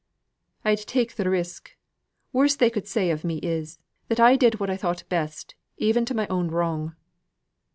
"I'd take th' risk. Worst they could say of me is, that I did what I thought best, even to my own wrong."